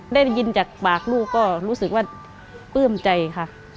ได้ยินจากปากลูกก็รู้สึกว่าปลื้มใจค่ะ